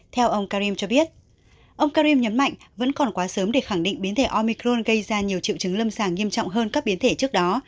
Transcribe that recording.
theo ông karim cho biết ông karim nhấn mạnh vẫn còn quá sớm để khẳng định biến thể omicron gây ra nhiều triệu chứng lâm sàng nghiêm trọng hơn các biến thể trước đó